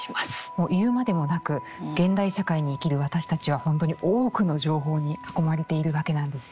もう言うまでもなく現代社会に生きる私たちは本当に多くの情報に囲まれているわけなんですよね。